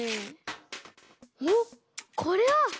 おっこれは！？